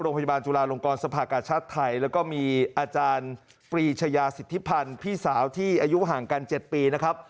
จุฬาลงกรสภากาชาติไทยแล้วก็มีอาจารย์ปรีชายาสิทธิพันธ์พี่สาวที่อายุห่างกัน๗ปีนะครับ